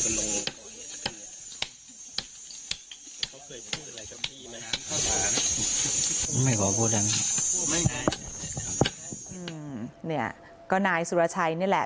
ไม่ขอบู๋ดังไม่งั้นอืมเนี้ยก็นายสุรชัยนี่แหละ